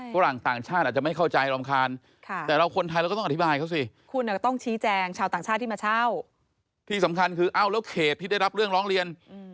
ฝรั่งต่างชาติอาจจะไม่เข้าใจรำคาญแต่เราคนไทยเราก็ต้องอธิบายเขาสิคุณก็ต้องชี้แจงชาวต่างชาติที่มาเช่าที่สำคัญคือเอ้าแล้วเขตที่ได้รับเรื่องร้องเรียน